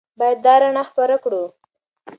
باید دا رڼا خپره کړو.